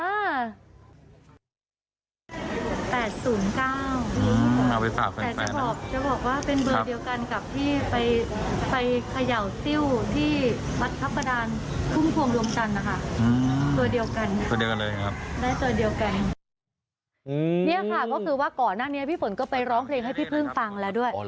แเนี้ยค่ะเขาก็คือว่าก่อนอันนี้พี่ผลก็ไปร้องเพลงให้พี่เพิ่งฟังและด้วย